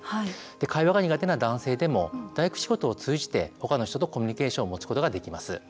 会話が苦手な男性でも大工仕事を通じて他の人とコミュニケーションを持つことができます。